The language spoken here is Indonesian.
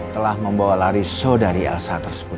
telah membawa lari saudari asa tersebut